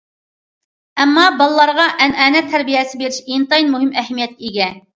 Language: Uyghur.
ئەمما بالىلارغا ئەنئەنە تەربىيەسى بېرىش ئىنتايىن مۇھىم ئەھمىيەتكە ئىگە.